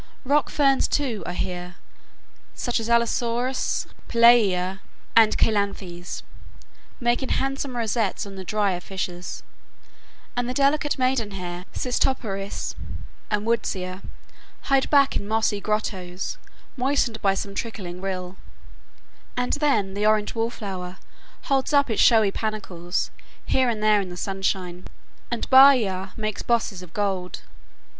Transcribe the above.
Rock ferns, too, are here, such as allosorus, pellaea, and cheilanthes, making handsome rosettes on the drier fissures; and the delicate maidenhair, cistoperis, and woodsia hide back in mossy grottoes, moistened by some trickling rill; and then the orange wall flower holds up its showy panicles here and there in the sunshine, and bahia makes bosses of gold.